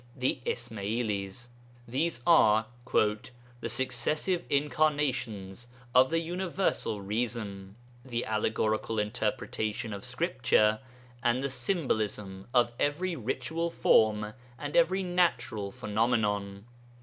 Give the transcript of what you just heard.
the Ishma'ilis). These are 'the successive incarnations of the Universal Reason, the allegorical interpretation of Scripture, and the symbolism of every ritual form and every natural phenomenon.